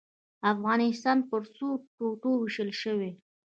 افغانستان پر څو ټوټو ووېشل شي.